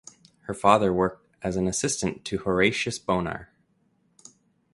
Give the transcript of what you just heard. Her father worked as an assistant to Horatius Bonar.